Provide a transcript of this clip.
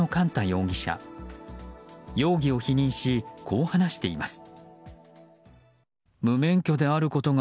容疑を否認し、こう話しています。